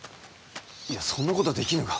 いやそんなことはできぬが。